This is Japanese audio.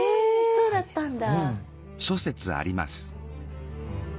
そうだったんだ。